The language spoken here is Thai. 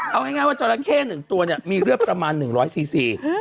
เอาง่ายว่าจราเข้หนึ่งตัวเนี่ยมีเลือดประมาณหนึ่งร้อยซีซี